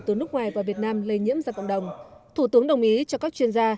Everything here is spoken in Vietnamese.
từ nước ngoài vào việt nam lây nhiễm ra cộng đồng thủ tướng đồng ý cho các chuyên gia